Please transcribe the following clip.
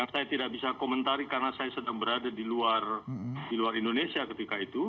saya tidak bisa komentari karena saya sedang berada di luar indonesia ketika itu